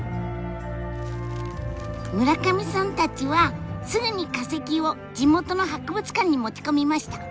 村上さんたちはすぐに化石を地元の博物館に持ち込みました。